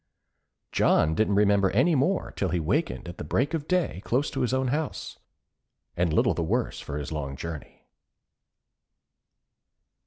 John didn't remember any more till he wakened at the break of day close to his own house, and little the worse for his long journey.